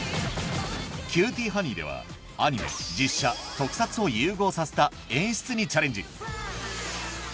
『キューティーハニー』ではを融合させた演出にチャレンジ